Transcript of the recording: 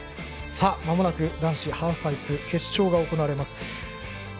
まもなく男子ハーフパイプ決勝が行われます。